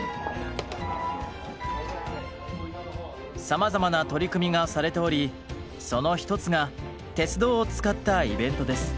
さまざまな取り組みがされておりその一つが鉄道を使ったイベントです。